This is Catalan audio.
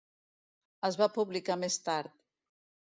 Es va publicar més tard.